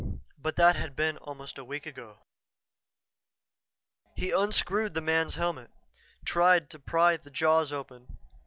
But that had been almost a week ago! He unscrewed the man's helmet, tried to pry the jaws open.